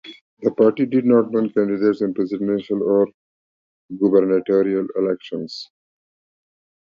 The party did not run candidates in presidential or gubernatorial elections.